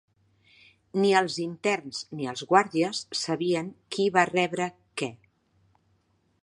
Ni els interns ni els guàrdies sabien qui va rebre què.